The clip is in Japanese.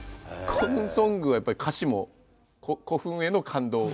古墳ソングはやっぱり歌詞も古墳への感動？